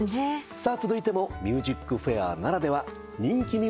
さあ続いても『ＭＵＳＩＣＦＡＩＲ』ならでは人気。